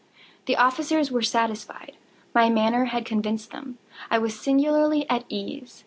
The officers were satisfied. My manner had convinced them. I was singularly at ease.